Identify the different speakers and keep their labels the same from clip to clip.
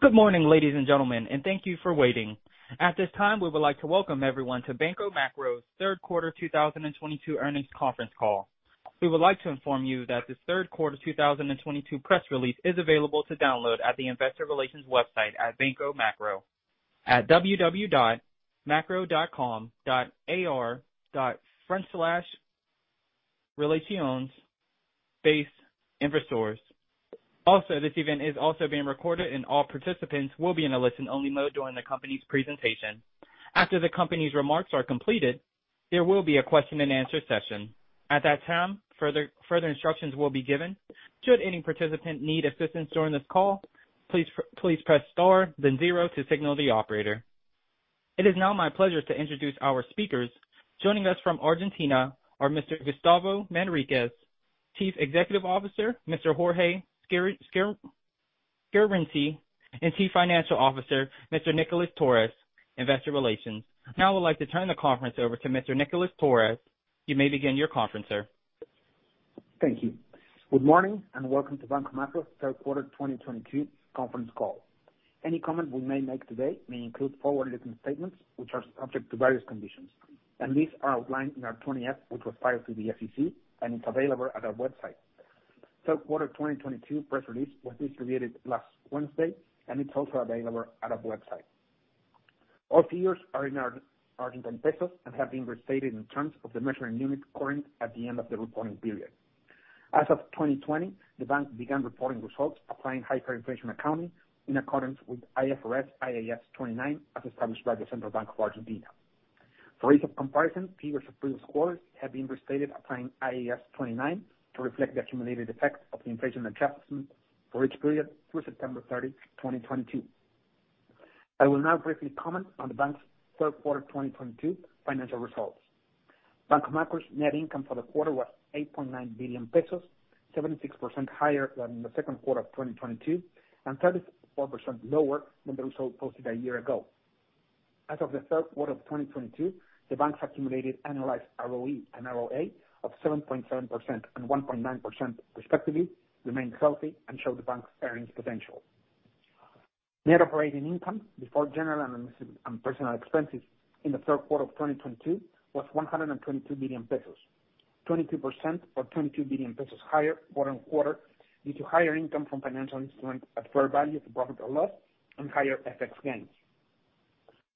Speaker 1: Good morning, ladies and gentlemen, and thank you for waiting. At this time, we would like to welcome everyone to Banco Macro's Q3 2022 earnings conference call. We would like to inform you that the Q3 2022 press release is available to download at the investor relations website at Banco Macro, at www.macro.com.ar/relaciones-inversores. This event is also being recorded, and all participants will be in a listen only mode during the company's presentation. After the company's remarks are completed, there will be a question and answer session. At that time, further instructions will be given. Should any participant need assistance during this call, please press star zero to signal the operator. It is now my pleasure to introduce our speakers. Joining us from Argentina are Mr. Gustavo Manriquez, Chief Executive Officer, Mr. Jorge Scarinci, and Chief Financial Officer, Mr. Nicolas Torres, Investor Relations. I would like to turn the conference over to Mr. Nicolas Torres. You may begin your conference, sir.
Speaker 2: Thank you. Good morning. Welcome to Banco Macro's Q3 2022 conference call. Any comment we may make today may include forward-looking statements which are subject to various conditions. These are outlined in our 20-F, which was filed to the SEC. It's available at our website. Q3 2022 press release was distributed last Wednesday. It's also available at our website. All figures are in Argentine pesos, have been restated in terms of the measuring unit current at the end of the reporting period. As of 2020, the bank began reporting results applying high inflation accounting in accordance with IFRS IAS 29, as established by the Central Bank of Argentina. For ease of comparison, figures for previous quarters have been restated applying IAS 29 to reflect the accumulated effects of the inflation adjustment for each period through September 30, 2022. I will now briefly comment on the bank's Q3 2022 financial results. Banco Macro's net income for the quarter was 8.9 billion pesos, 76% higher than the Q2 of 2022 and 34% lower than the result posted a year ago. As of the Q3 of 2022, the bank's accumulated annualized ROE and ROA of 7.7% and 1.9% respectively remain healthy and show the bank's earnings potential. Net operating income before general and personal expenses in the Q3 of 2022 was 122 billion pesos. 22% or 22 billion pesos higher quarter-on-quarter due to higher income from financial instruments at fair value of profit or loss and higher FX gains.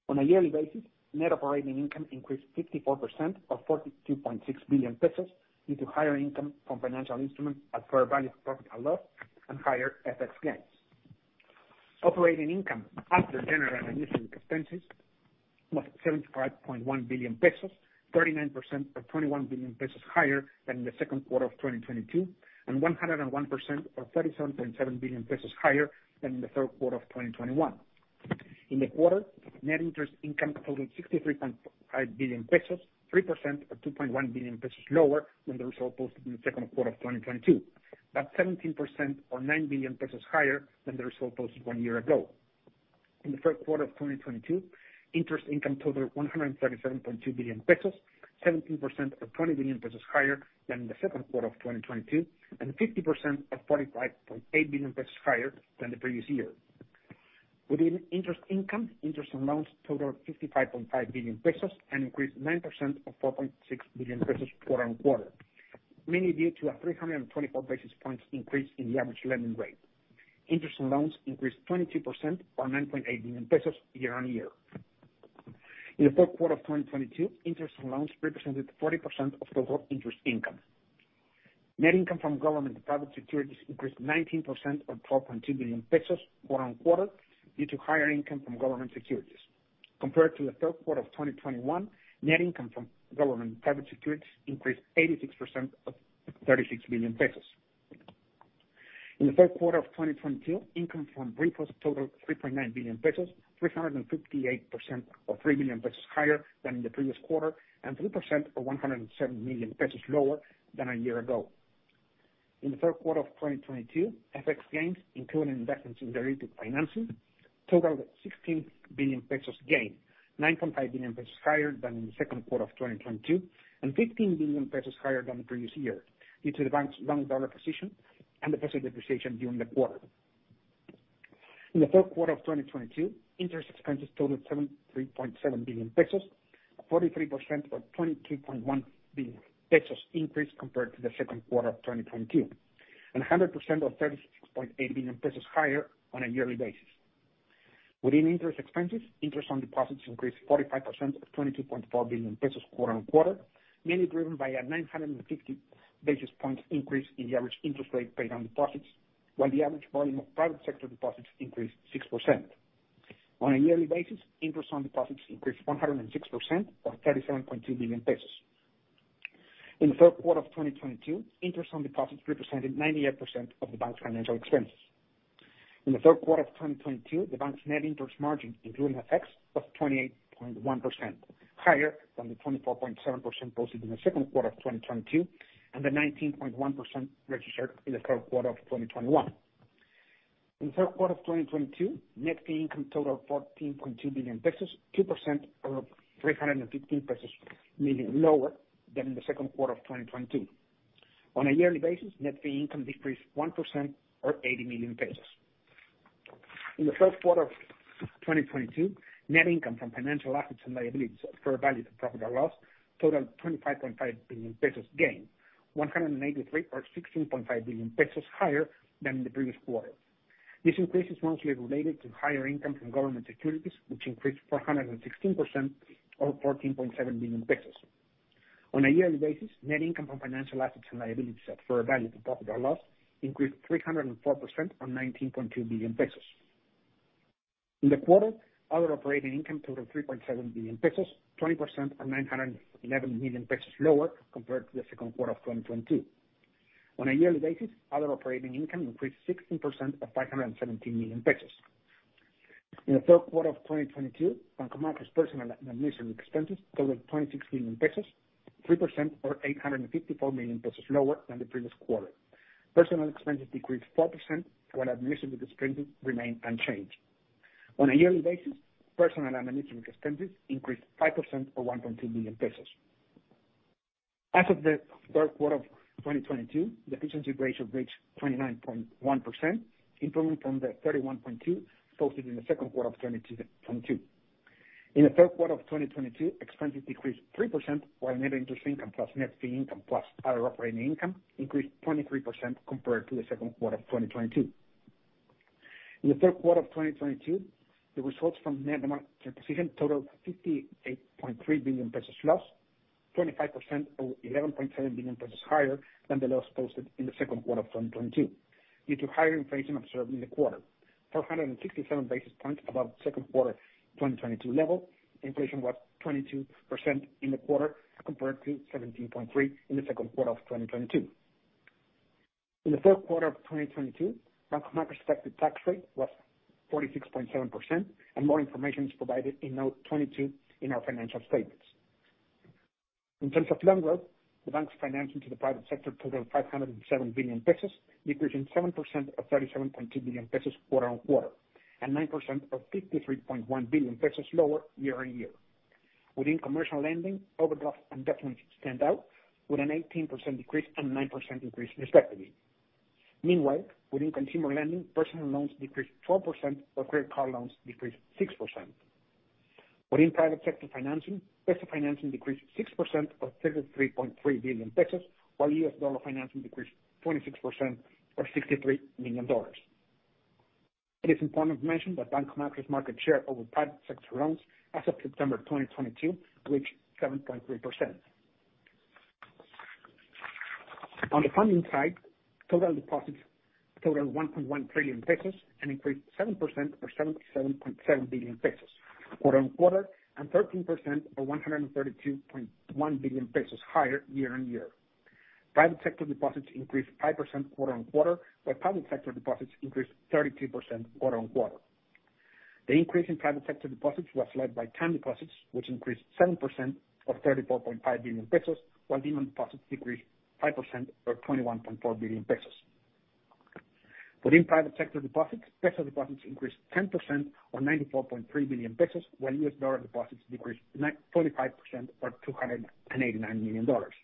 Speaker 2: On a yearly basis, net operating income increased 54% or 42.6 billion pesos due to higher income from financial instruments at fair value of profit or loss and higher FX gains. Operating income after general and administrative expenses was 75.1 billion pesos, 39% or 21 billion pesos higher than the Q2 of 2022, and 101% or 37.7 billion pesos higher than in the Q3 of 2021. In the quarter, net interest income totaled 63.5 billion pesos, 3% or 2.1 billion pesos lower than the result posted in the Q2 of 2022, but 17% or 9 billion pesos higher than the result posted one year ago. In the Q3 of 2022, interest income totaled 137.2 billion pesos, 17% or 20 billion pesos higher than the Q2 of 2022, and 50% or 45.8 billion pesos higher than the previous year. Within interest income, interest on loans totaled 55.5 billion pesos and increased 9% or 4.6 billion pesos quarter-on-quarter, mainly due to a 324 basis points increase in the average lending rate. Interest on loans increased 22% or 9.8 billion pesos year-on-year. In the Q3 of 2022, interest on loans represented 40% of total interest income. Net income from government and private securities increased 19% or 12.2 billion pesos quarter-on-quarter due to higher income from government securities. Compared to the Q3 of 2021, net income from government and private securities increased 86% or 36 billion pesos. In the Q3 of 2022, income from repos totaled 3.9 billion pesos, 358% or 3 billion pesos higher than in the previous quarter and 3% or 107 million pesos lower than a year ago. In the Q3 of 2022, FX gains, including investments in derivative financing, totaled 16 billion pesos gain, 9.5 billion pesos higher than in the Q2 of 2022 and 15 billion pesos higher than the previous year due to the bank's long dollar position and the peso depreciation during the quarter. In the Q3 of 2022, interest expenses totaled 73.7 billion pesos, a 43% or 22.1 billion pesos increase compared to the Q2 of 2022, and a 100% or 36.8 billion pesos higher on a yearly basis. Within interest expenses, interest on deposits increased 45% or 22.4 billion pesos quarter on quarter, mainly driven by a 950 basis points increase in the average interest rate paid on deposits. While the average volume of private sector deposits increased 6%. On a yearly basis, interest on deposits increased 106% or 37.2 billion pesos. In the Q3 of 2022, interest on deposits represented 98% of the bank's financial expenses. In the Q3 of 2022, the bank's net interest margin, including FX, was 28.1%, higher than the 24.7% posted in the Q2 of 2022 and the 19.1% registered in the Q3 of 2021. In the Q3 of 2022, net fee income totaled 14.2 billion pesos, 2% or 350 million pesos lower than in the Q2 of 2022. On a yearly basis, net fee income decreased 1% or 80 million pesos. In the Q1 of 2022, net income from financial assets and liabilities at fair value to profit or loss totaled 25.5 billion pesos gain, 183% or 16.5 billion pesos higher than the previous quarter. This increase is mostly related to higher income from government securities, which increased 416% or 14.7 billion pesos. On a yearly basis, net income from financial assets and liabilities at fair value to profit or loss increased 304% or 19.2 billion pesos. In the quarter, other operating income totaled 3.7 billion pesos, 20% or 911 million pesos lower compared to the 2Q 2022. On a yearly basis, other operating income increased 16% or 517 million pesos. In the 3Q 2022, Banco Macro's personnel and administrative expenses totaled 26 million pesos, 3% or 854 million pesos lower than the previous quarter. Personnel expenses decreased 4%, while administrative expenses remained unchanged. On a yearly basis, personnel and administrative expenses increased 5% or 1.2 billion pesos. As of the Q3 of 2022, the efficiency ratio reached 29.1%, improving from the 31.2% posted in the Q2 of 2022. In the Q3 of 2022, expenses decreased 3%, while net interest income plus net fee income plus other operating income increased 23% compared to the Q2 of 2022. In the Q3 of 2022, the results from net monetary position totaled 58.3 billion pesos loss, 25% or 11.7 billion pesos higher than the loss posted in the Q2 of 2022 due to higher inflation observed in the quarter. 467 basis points above the Q2 2022 level. Inflation was 22% in the quarter compared to 17.3% in the Q2 of 2022. In the Q3 of 2022, Banco Macro's effective tax rate was 46.7%. More information is provided in note 22 in our financial statements. In terms of loan growth, the bank's financing to the private sector totaled 507 billion pesos, decreasing 7% or 37.2 billion pesos quarter-on-quarter. 9% or 53.1 billion pesos lower year-on-year. Within commercial lending, overdraft and debt limits stand out with an 18% decrease and 9% increase respectively. Meanwhile, within consumer lending, personal loans decreased 4%, while credit card loans decreased 6%. Within private sector financing, peso financing decreased 6% or 33.3 billion pesos, while US dollar financing decreased 26% or 63 million dollars. It is important to mention that Banco Macro's market share over private sector loans as of September 2022 reached 7.3%. On the funding side, total deposits totaled 1.1 trillion pesos and increased 7% or 77.7 billion pesos quarter-on-quarter, and 13% or 132.1 billion pesos higher year-on-year. Private sector deposits increased 5% quarter-on-quarter, while public sector deposits increased 32% quarter-on-quarter. The increase in private sector deposits was led by time deposits, which increased 7% or 34.5 billion pesos, while demand deposits decreased 5% or 21.4 billion pesos. Within private sector deposits, peso deposits increased 10% or 94.3 billion pesos, while US dollar deposits decreased 45% or 289 million dollars.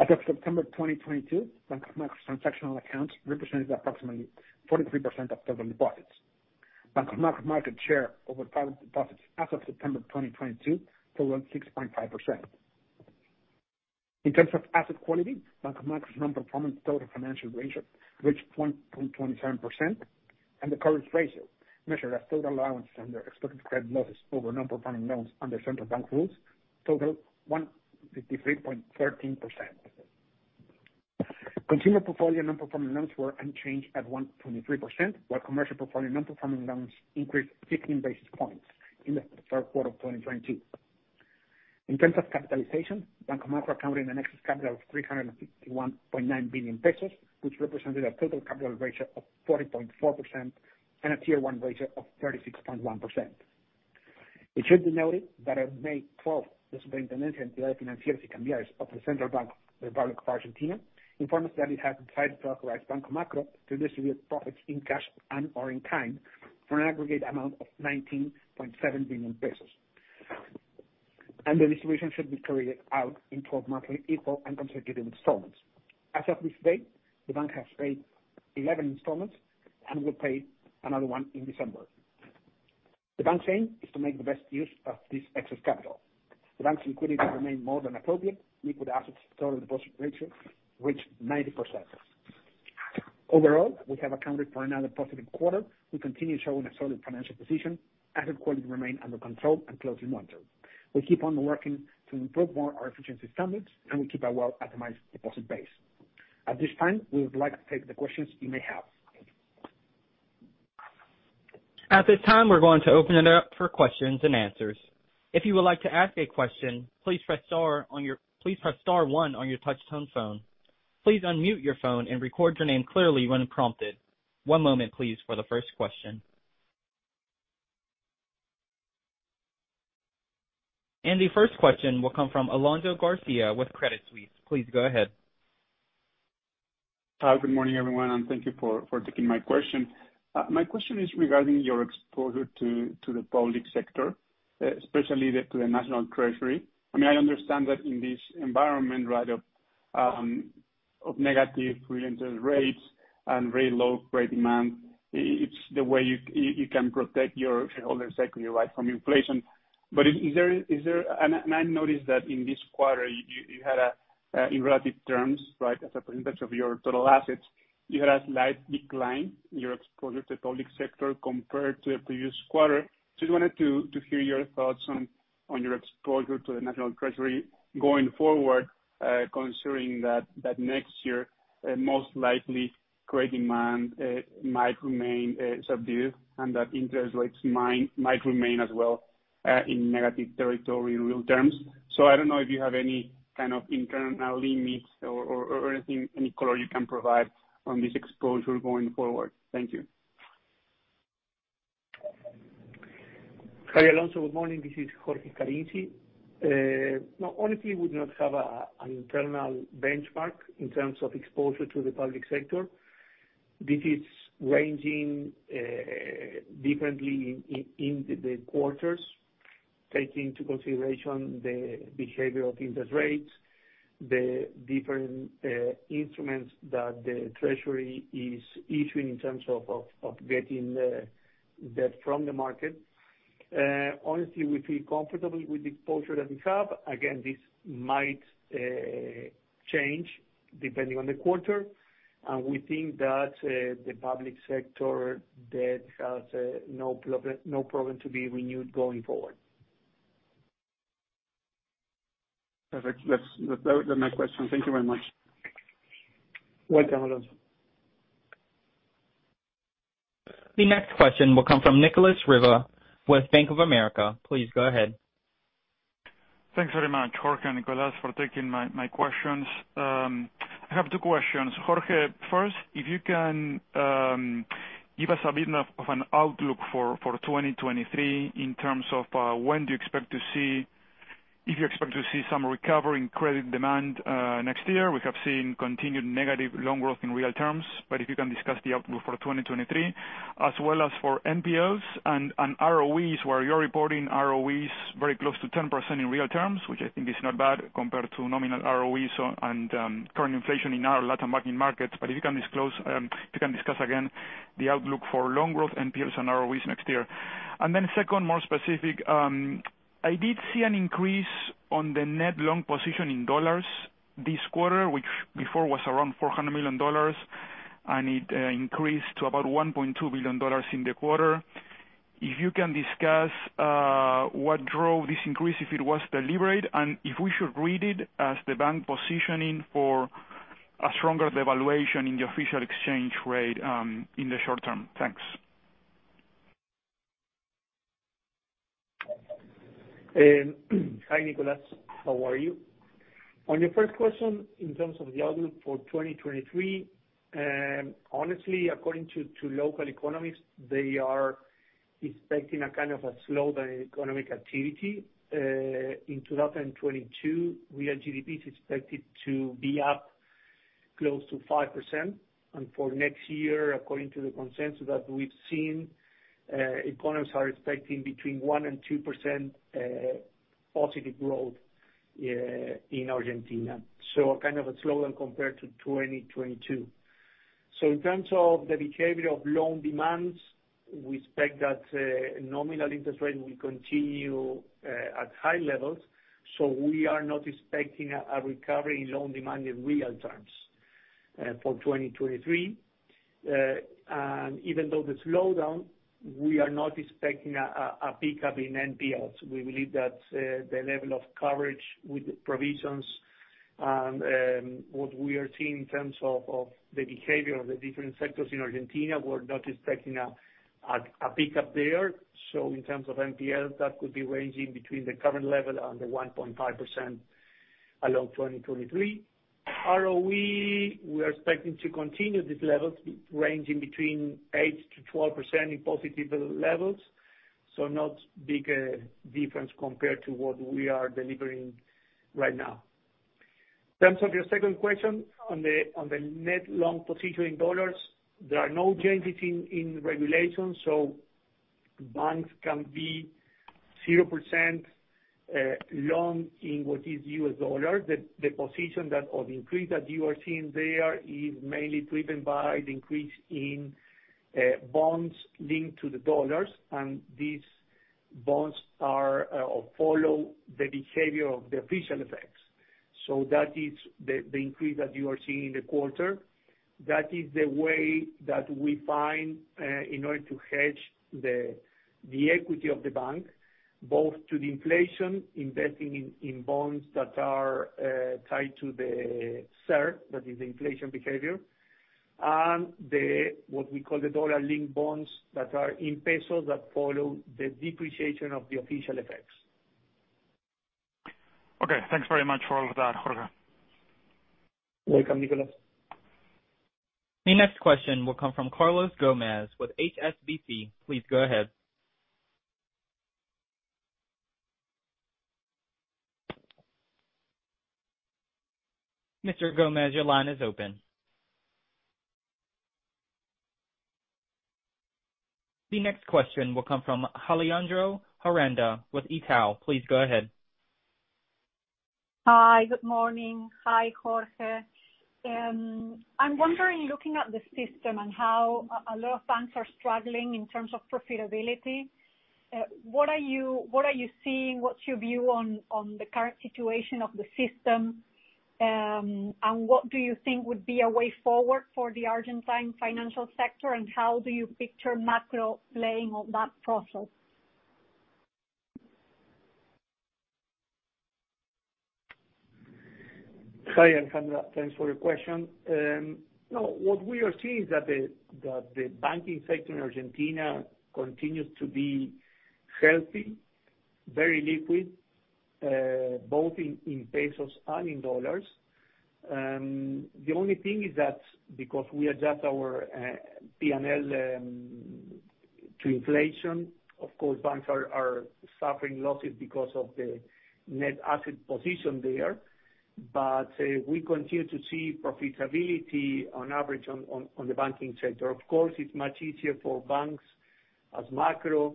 Speaker 2: As of September 2022, Banco Macro's transactional accounts represented approximately 43% of total deposits. Banco Macro's market share over private deposits as of September 2022 totaled 6.5%. In terms of asset quality, Banco Macro's non-performing total financial ratio reached 1.27%, and the coverage ratio measured as total allowances under expected credit losses over non-performing loans under Central Bank rules totaled 153.13%. Consumer portfolio non-performing loans were unchanged at 1.23%, while commercial portfolio non-performing loans increased 15 basis points in the Q3 of 2022. In terms of capitalization, Banco Macro accounted in excess capital of 351.9 billion pesos, which represented a total capital ratio of 40.4% and a Tier 1 ratio of 36.1%. It should be noted that on May 12th, the Superintendencia de Entidades Financieras y Cambiarias of the Central Bank of the Argentine Republic informed us that it had decided to authorize Banco Macro to distribute profits in cash and/or in kind for an aggregate amount of 19.7 billion pesos. The distribution should be carried out in 12 monthly equal and consecutive installments. As of this date, the bank has paid 11 installments and will pay another 1 in December. The bank's aim is to make the best use of this excess capital. The bank's liquidity remained more than appropriate. Liquid assets total deposit ratio reached 90%. Overall, we have accounted for another positive quarter. We continue showing a solid financial position. Asset quality remained under control and closely monitored. We keep on working to improve more our efficiency standards. We keep a well-optimized deposit base. At this time, we would like to take the questions you may have.
Speaker 1: At this time, we're going to open it up for questions and answers. If you would like to ask a question, please press star one on your touch-tone phone. Please unmute your phone and record your name clearly when prompted. One moment please for the first question. The first question will come from Alonso Garcia with Credit Suisse. Please go ahead.
Speaker 3: Hi, good morning, everyone, and thank you for taking my question. My question is regarding your exposure to the public sector, especially to the National Treasury. I mean, I understand that in this environment, right, of negative real interest rates and very low credit demand, it's the way you can protect your shareholders' equity, right, from inflation. But is there... I noticed that in this quarter, you had a in relative terms, right? As a % of your total assets, you had a slight decline in your exposure to public sector compared to the previous quarter. Just wanted to hear your thoughts on your exposure to the National Treasury going forward, considering that next year, most likely credit demand might remain subdued, and that interest rates might remain as well in negative territory in real terms. I don't know if you have any kind of internal limits or anything, any color you can provide on this exposure going forward. Thank you.
Speaker 4: Hi, Alonso. Good morning. This is Jorge Scarinci. No, honestly, we would not have an internal benchmark in terms of exposure to the public sector. This is ranging differently in the quarters, taking into consideration the behavior of interest rates, the different instruments that the Treasury is issuing in terms of getting the debt from the market. Honestly, we feel comfortable with the exposure that we have. Again, this might change depending on the quarter, and we think that the public sector debt has no problem to be renewed going forward.
Speaker 3: Perfect. That's. That was my question. Thank you very much.
Speaker 4: Welcome, Alonso.
Speaker 1: The next question will come from Nicolas Riva with Bank of America. Please go ahead.
Speaker 5: Thanks very much, Jorge and Nicolas, for taking my questions. I have two questions. Jorge, first, if you can give us a bit of an outlook for 2023 in terms of if you expect to see some recovery in credit demand next year. We have seen continued negative loan growth in real terms, but if you can discuss the outlook for 2023, as well as for NPLs and ROEs, where you're reporting ROEs very close to 10% in real terms, which I think is not bad compared to nominal ROEs and current inflation in our Latin American markets. If you can discuss again the outlook for loan growth, NPLs, and ROEs next year. Second, more specific, I did see an increase on the net loan position in dollars this quarter, which before was around 400 million dollars, and it increased to about 1.2 billion dollars in the quarter. If you can discuss what drove this increase, if it was deliberate, and if we should read it as the bank positioning for a stronger devaluation in the official exchange rate, in the short term. Thanks.
Speaker 4: Hi, Nicolas. How are you? On your first question, in terms of the outlook for 2023, honestly, according to local economists, they are expecting a kind of a slowdown in economic activity. In 2022, real GDP is expected to be up close to 5%, and for next year, according to the consensus that we've seen, economists are expecting between 1% and 2% positive growth in Argentina, so kind of a slowdown compared to 2022. In terms of the behavior of loan demands, we expect that nominal interest rates will continue at high levels, so we are not expecting a recovery in loan demand in real terms for 2023. Even though the slowdown, we are not expecting a pickup in NPLs. We believe that the level of coverage with provisions and what we are seeing in terms of the behavior of the different sectors in Argentina, we're not expecting a pickup there. In terms of NPLs, that could be ranging between the current level and the 1.5% along 2023. ROE, we are expecting to continue these levels, ranging between 8%-12% in positive levels, not big a difference compared to what we are delivering right now. In terms of your second question on the net loan position in USD, there are no changes in regulations, banks can be 0% loan in what is USD. The position that, or the increase that you are seeing there is mainly driven by the increase in bonds linked to the dollars, and these bonds are follow the behavior of the official FX. That is the increase that you are seeing in the quarter. That is the way that we find in order to hedge the equity of the bank, both to the inflation, investing in bonds that are tied to the CER, that is the inflation behavior, and the, what we call the dollar-linked bonds that are in pesos that follow the depreciation of the official FX.
Speaker 5: Okay, thanks very much for all of that, Jorge.
Speaker 4: You're welcome, Nicolas.
Speaker 1: The next question will come from Carlos Gomez-Lopez with HSBC. Please go ahead. Mr. Gomez, your line is open. The next question will come from Alejandra Aranda with Itaú. Please go ahead.
Speaker 6: Hi, good morning. Hi, Jorge. I'm wondering, looking at the system and how a lot of banks are struggling in terms of profitability, what are you seeing? What's your view on the current situation of the system, and what do you think would be a way forward for the Argentine financial sector, and how do you picture Macro playing on that process?
Speaker 4: Hi Alejandra, thanks for your question. No, what we are seeing is that the banking sector in Argentina continues to be healthy, very liquid, both in pesos and in dollars. The only thing is that because we adjust our P&L to inflation, of course banks are suffering losses because of the net asset position there. We continue to see profitability on average on the banking sector. Of course, it's much easier for banks as Banco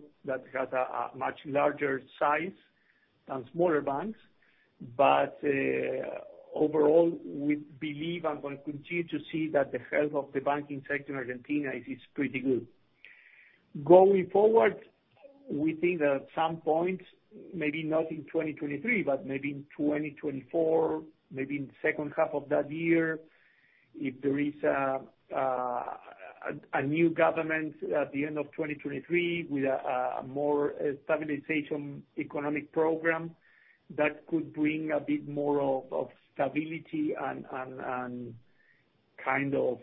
Speaker 4: Macro that has a much larger size than smaller banks. Overall, we believe and will continue to see that the health of the banking sector in Argentina is pretty good. Going forward, we think at some point, maybe not in 2023, but maybe in 2024, maybe in second half of that year, if there is a new government at the end of 2023 with a more stabilization economic program, that could bring a bit more of stability and kind of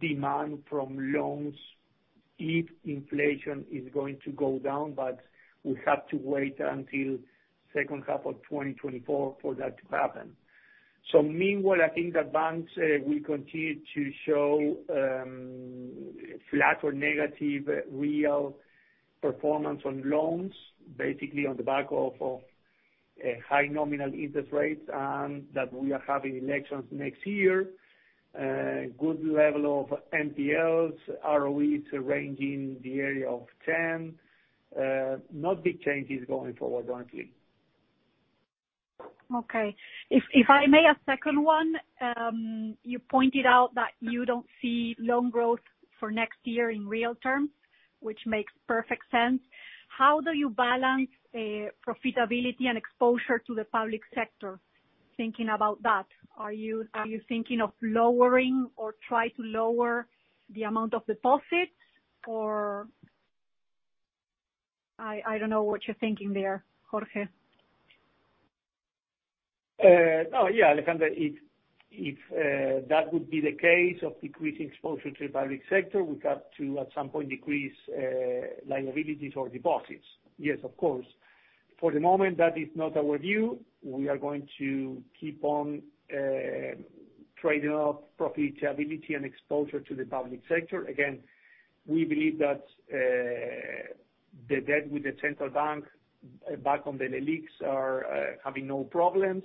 Speaker 4: demand from loans if inflation is going to go down, but we have to wait until second half of 2024 for that to happen. Meanwhile, I think the banks will continue to show flat or negative real performance on loans, basically on the back of high nominal interest rates, and that we are having elections next year. Good level of NPLs, ROEs ranging the area of 10. No big changes going forward, frankly.
Speaker 6: If I may a second one, you pointed out that you don't see loan growth for next year in real terms, which makes perfect sense. How do you balance profitability and exposure to the public sector? Thinking about that, are you thinking of lowering or try to lower the amount of deposits? I don't know what you're thinking there, Jorge.
Speaker 4: No, yeah, Alejandra, if that would be the case of decreasing exposure to public sector, we have to at some point decrease liabilities or deposits. Yes, of course. For the moment, that is not our view. We are going to keep on trading up profitability and exposure to the public sector. Again, we believe that the debt with the Central Bank back on the LELIQs are having no problems.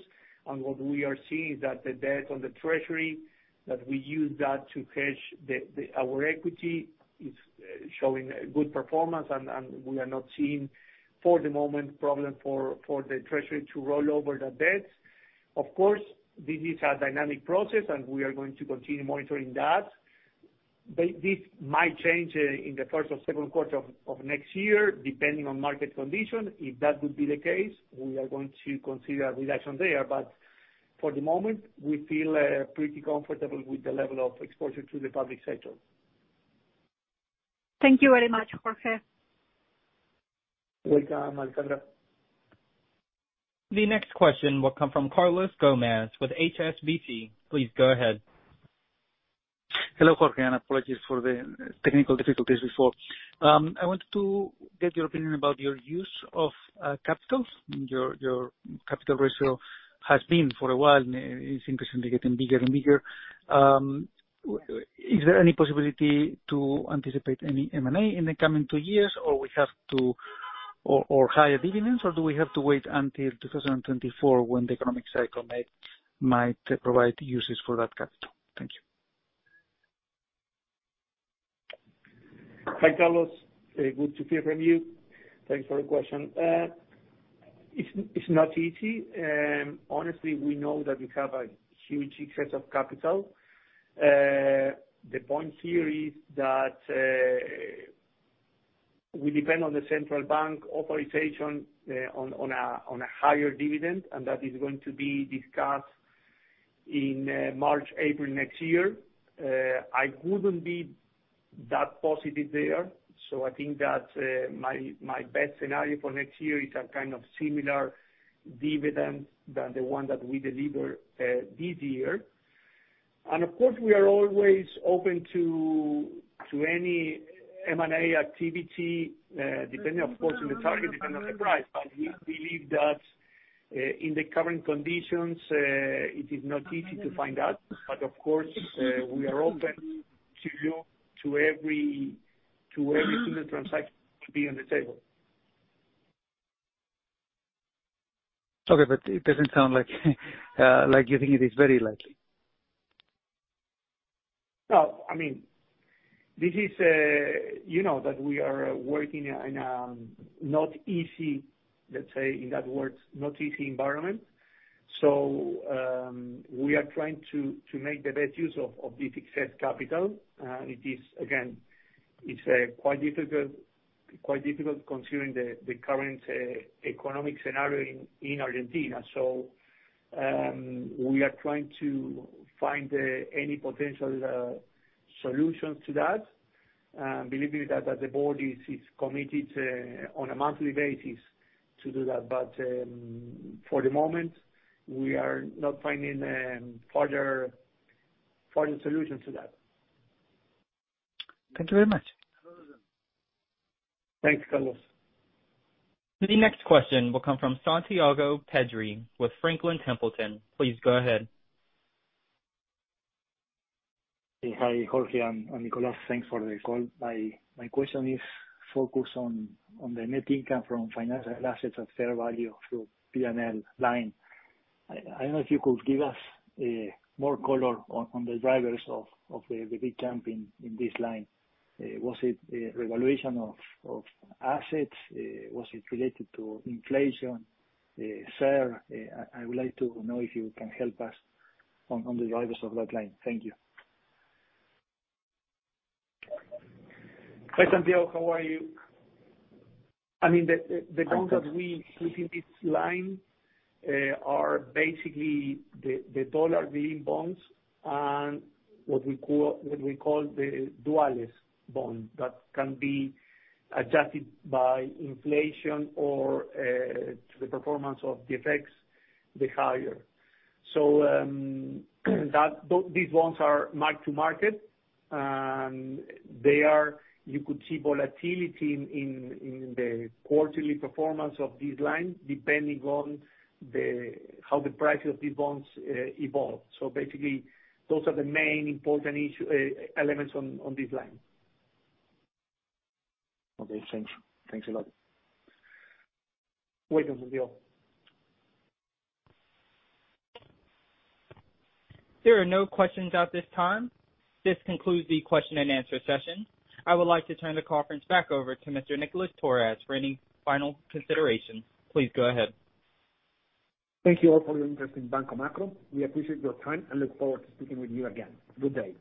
Speaker 4: What we are seeing is that the debt on the Treasury, that we use that to hedge our equity is showing good performance and we are not seeing for the moment problem for the Treasury to roll over the debts. Of course, this is a dynamic process and we are going to continue monitoring that. This might change, in the first or Q2 of next year, depending on market condition. If that would be the case, we are going to consider a reduction there. For the moment, we feel pretty comfortable with the level of exposure to the public sector.
Speaker 6: Thank you very much, Jorge.
Speaker 4: Welcome, Alejandra.
Speaker 1: The next question will come from Carlos Gomez-Lopez with HSBC. Please go ahead.
Speaker 7: Hello, Jorge, apologies for the technical difficulties before. I wanted to get your opinion about your use of capital. Your capital ratio has been for a while now, it's increasingly getting bigger. Is there any possibility to anticipate any M&A in the coming two years? Higher dividends, or do we have to wait until 2024 when the economic cycle might provide uses for that capital? Thank you.
Speaker 4: Hi, Carlos, good to hear from you. Thanks for the question. It's not easy. Honestly, we know that we have a huge excess of capital. The point here is that we depend on the central bank authorization on a higher dividend, and that is going to be discussed in March, April next year. I wouldn't be that positive there. I think that my best scenario for next year is a kind of similar dividend than the one that we deliver this year. Of course, we are always open to any M&A activity, depending of course on the target, depending on the price. We believe that in the current conditions, it is not easy to find that. Of course, we are open to look to every single transaction to be on the table.
Speaker 7: Okay, it doesn't sound like you think it is very likely.
Speaker 4: No, I mean, this is, you know that we are working in a not easy, let's say in that words, not easy environment. We are trying to make the best use of this excess capital. It is again, it's quite difficult considering the current economic scenario in Argentina. We are trying to find any potential solutions to that. Believe me that the board is committed on a monthly basis to do that. For the moment, we are not finding further solution to that.
Speaker 7: Thank you very much.
Speaker 4: Thanks, Carlos.
Speaker 1: The next question will come from Santiago Petri with Franklin Templeton. Please go ahead.
Speaker 8: Hi, Jorge and Nicolas. Thanks for the call. My question is focused on the net income from financial assets at fair value through P&L line. I don't know if you could give us more color on the drivers of the big jump in this line. Was it a revaluation of assets? Was it related to inflation? Sir, I would like to know if you can help us on the drivers of that line. Thank you.
Speaker 4: Hi, Santiago. How are you? I mean, the counts that we put in this line are basically the dollar-linked bonds and what we call the dual bond that can be adjusted by inflation or to the performance of the FX the higher. These ones are marked to market, and they are. You could see volatility in the quarterly performance of this line depending on how the price of these bonds evolve. Basically those are the main important elements on this line.
Speaker 8: Okay, thanks. Thanks a lot.
Speaker 4: Welcome, Santiago.
Speaker 1: There are no questions at this time. This concludes the question and answer session. I would like to turn the conference back over to Mr. Nicolas Torres for any final considerations. Please go ahead.
Speaker 2: Thank you all for your interest in Banco Macro. We appreciate your time and look forward to speaking with you again. Good day.